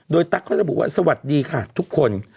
โดยตั๊กเขาระบุว่าสวัสดีค่ะทุกคน